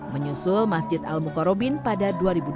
menyusul masjid al mukarobin pada dua ribu dua puluh